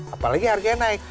apalagi harganya naik